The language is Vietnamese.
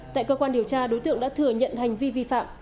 tại cơ quan điều tra đối tượng đã thừa nhận hành vi vi phạm